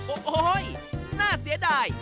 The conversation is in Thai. โอ้โหน่าเสียดาย